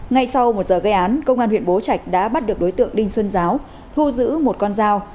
ngay sau một giờ gây án công an huyện bố trạch đã bắt được đối tượng đinh xuân giáo thu giữ một con dao